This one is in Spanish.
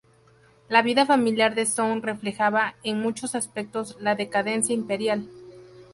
La vida familiar de Song reflejaba en muchos aspectos la decadencia imperial.